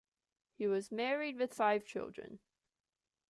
He was married with five children.